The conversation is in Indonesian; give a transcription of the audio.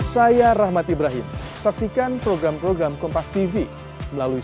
saya rahmat ibrahim saksikan program program kompas tv melalui